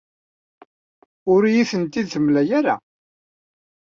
Ur iyi-ten-id-temla ara.